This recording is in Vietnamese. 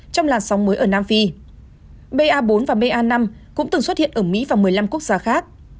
trong làn sóng mới ở nam phi ba bốn và ba năm cũng từng xuất hiện ở mỹ và một mươi năm quốc gia khác